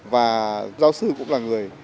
và giáo sư cũng là người